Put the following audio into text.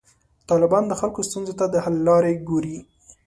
طالبان د خلکو ستونزو ته د حل لارې ګوري.